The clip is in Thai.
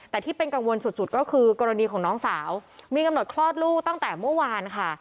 แต่ที่เป็นกังวลสุดก็คือกรณีของน้องสาวมีกำหนดคลอดลูกตั้งแต่เมื่อวานค่ะ